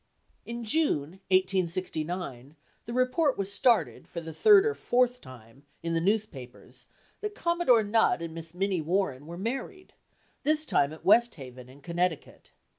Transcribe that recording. In June 1869, the report was started, for the third or fourth time, in the newspapers, that Commodore Nutt and Miss Minnie Warren were married this time at West Haven, in Connecticut.